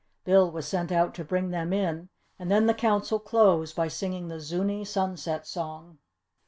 Bill was sent out to bring them in, and then the Council closed by singing the Zuni Sunset song.